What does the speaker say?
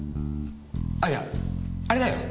あいやあれだよ。